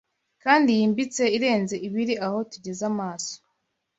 kandi yimbitse irenze ibiri aho tugeza amaso.